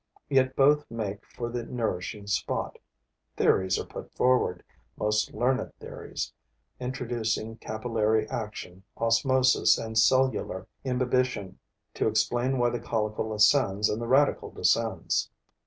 Yet both make for the nourishing spot. Theories are put forward, most learned theories, introducing capillary action, osmosis and cellular imbibition, to explain why the caulicle ascends and the radical descends.